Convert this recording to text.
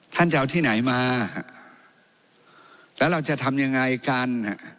ท่านจะเอาที่ไหนมาแล้วเราจะทำยังไงกันฮะ